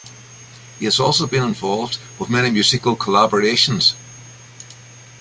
He has also been involved with many musical collaborations.